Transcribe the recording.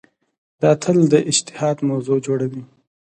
دا تل د اجتهاد موضوع جوړوي.